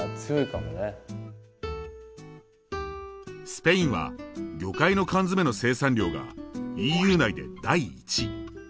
スペインは魚介の缶詰の生産量がＥＵ内で第１位。